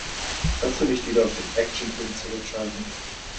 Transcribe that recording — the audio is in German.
Kannst du nicht wieder auf den Actionfilm zurückschalten?